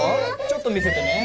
ちょっと見せてね。